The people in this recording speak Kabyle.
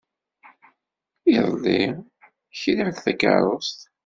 Iḍelli, kriɣ-d takeṛṛust.